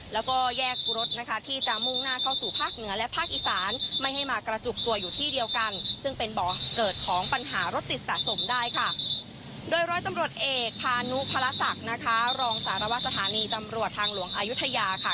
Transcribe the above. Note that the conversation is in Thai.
หารถติดสะสมได้ค่ะโดยร้อยตำรวจเอกพาณุพรสักนะคะรองสารวจสถานีตำรวจทางหลวงอายุทยาค่ะ